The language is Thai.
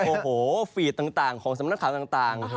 โอ้โหฟีดต่างของสำนักข่าวต่าง